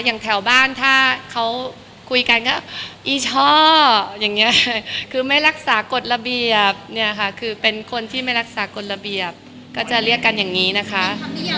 แถวบ้านถ้าเขาคุยกันก็อีช่ออย่างนี้คือไม่รักษากฎระเบียบเนี่ยค่ะคือเป็นคนที่ไม่รักษากฎระเบียบก็จะเรียกกันอย่างนี้นะคะ